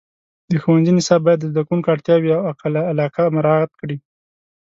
د ښوونځي نصاب باید د زده کوونکو اړتیاوې او علاقه مراعات کړي.